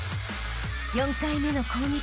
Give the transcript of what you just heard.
［４回目の攻撃］